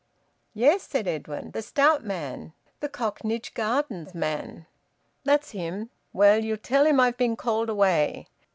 "Yes," said Edwin, "The stout man. The Cocknage Gardens man." "That's him. Well ye'll tell him I've been called away.